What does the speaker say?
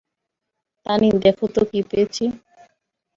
তানি, দেখো তো কী পেয়েছি।